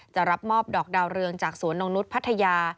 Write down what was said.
จะรับมอบดอกดาวเรืองจากสวนนงนุษย์พัทยา